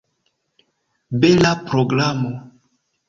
Bela programo!